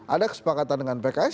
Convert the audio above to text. ada kesepakatan dengan pks